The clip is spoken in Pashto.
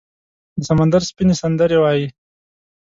د سمندر سپینې، سندرې وایې